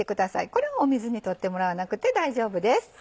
これは水に取ってもらわなくて大丈夫です。